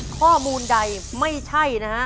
ข้อมูลใดไม่ใช่นะฮะ